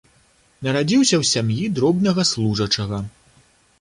Нарадзіўся ў сям'і дробнага служачага.